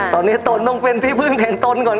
ตอนนี้ตนต้องเป็นที่พึ่งแห่งตนก่อน